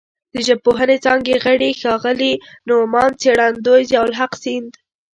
د ژبپوهنې څانګې غړي ښاغلي نوماند څېړندوی ضیاءالحق سیند